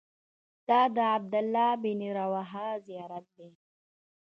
دا د عبدالله بن رواحه زیارت دی.